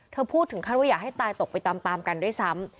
พูดถึงขั้นว่าอยากให้ตายตกไปตามกันด้วยซ้ำ